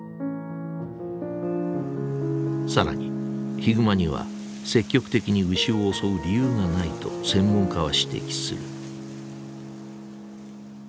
更にヒグマには積極的に牛を襲う理由がないと専門家は指摘する。